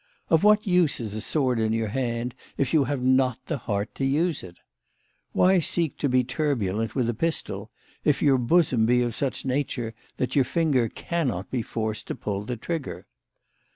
Of what use is a sword in your hand if you have not the heart to use it ? Why seek to be turbulent with a pistol if your bosom be of such a nature that your finger can not be forced to pull the trigger